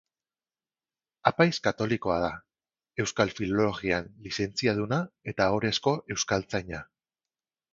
Apaiz katolikoa da, Euskal Filologian lizentziaduna eta ohorezko euskaltzaina.